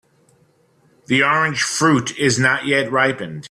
The orange fruit is not yet ripened.